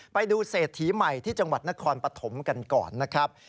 ไปดูเศรษฐีใหม่ที่จังหวัดนครปฐมกันก่อนนะครับ